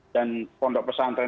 dan pondok pesantren